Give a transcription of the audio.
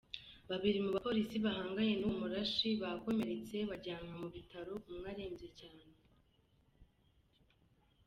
Babiri mu bapolisi bahanganye n’uwo murashi bakomeretse bajyanwa mu bitaro, umwe arembye cyane.